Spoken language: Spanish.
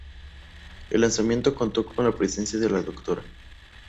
El lanzamiento contó con la presencia de la Dra.